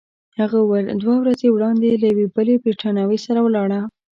هغه وویل: دوه ورځې وړاندي له یوې بلې بریتانوۍ سره ولاړه.